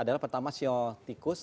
adalah pertama ceo tikus